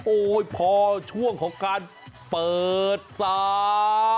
โอ้โหพอช่วงของการเปิดสา